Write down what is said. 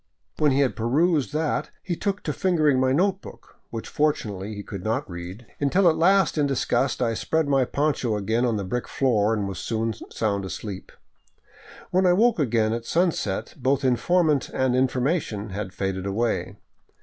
When he had perused that he took to fingering my note book, which fortunately he could not read, until at last in disgust I spread my poncho again on the brick floor and was soon sound asleep. When I woke again at sunset both informant and information had faded away.